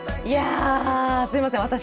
いやすいません